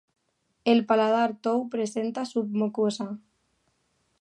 El paladar tou presenta submucosa.